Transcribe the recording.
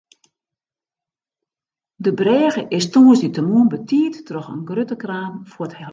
De brêge is tongersdeitemoarn betiid troch in grutte kraan fuorthelle.